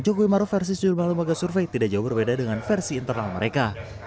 jokowi maruf versi sejumlah lembaga survei tidak jauh berbeda dengan versi internal mereka